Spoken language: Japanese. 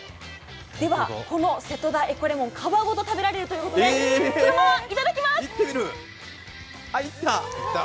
このせとだエコレモン、皮ごと食べられるということで、このままいただきます！